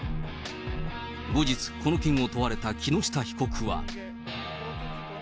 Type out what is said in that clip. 後日、この件を問われた木下被告は。